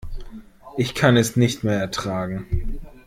Ich kann es nicht mehr ertragen.